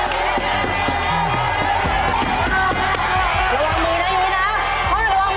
ร่วมมือได้อยู่นะ